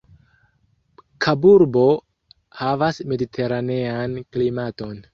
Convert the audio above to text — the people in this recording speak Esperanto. Kaburbo havas mediteranean klimaton.